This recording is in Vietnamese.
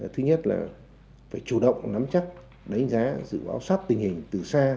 thứ nhất là phải chủ động nắm chắc đánh giá dự báo sát tình hình từ xa từ sớm